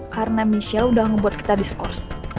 karena michelle udah ngebuat kita diskors